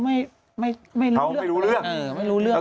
เขาไม่รู้เรื่อง